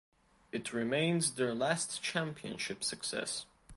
It remains their last championship success.